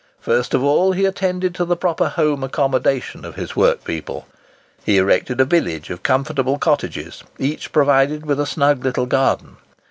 First of all, he attended to the proper home accommodation of his workpeople. He erected a village of comfortable cottages, each provided with a snug little garden.